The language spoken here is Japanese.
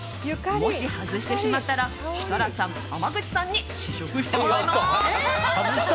もし外してしまったら設楽さん、濱口さんに試食してもらいます。